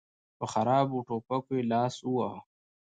په خرابو ټوپکو يې لاس وواهه.